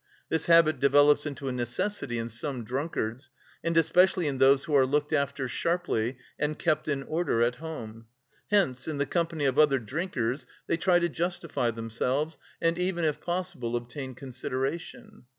This habit develops into a necessity in some drunkards, and especially in those who are looked after sharply and kept in order at home. Hence in the company of other drinkers they try to justify themselves and even if possible obtain consideration.